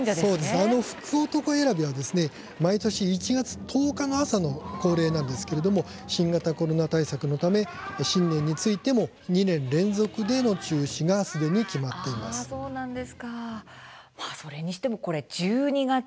あの「福男選び」は毎年１月１０日の朝の恒例なんですが新型コロナ対策のため新年についても２年連続で中止がすでに決まっています。